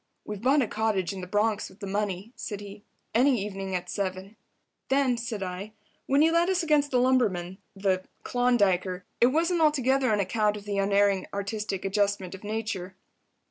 "We've bought a cottage in the Bronx with the money," said he. "Any evening at 7." "Then," said I, "when you led us against the lumberman—the—Klondiker—it wasn't altogether on account of the Unerring Artistic Adjustment of Nature?"